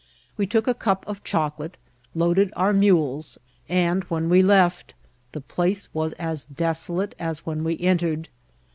We took a cup of chocolate, loaded our mules, and, when we left, the place was as desolate as when we entered.